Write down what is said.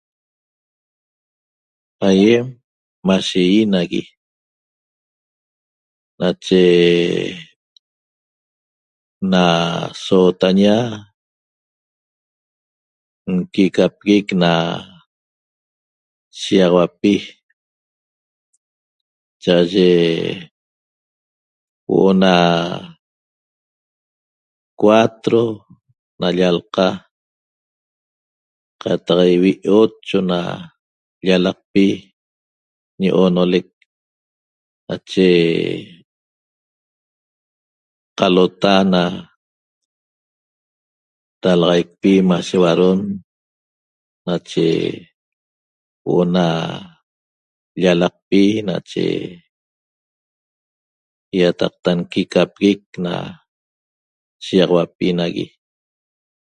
Aýem mashe ýi nagui nache na sootaña nquicapiguic na shiýaxauapi cha'aye huo'o na cuatro na llalqa qataq ivi' ocho na llalaqpi ñi oonolec nache qalota na dalaxaicpi mashe huadon nache huo'o na llalaqpi nache ýataqta nquicapiguic na shiýaxauapi nagui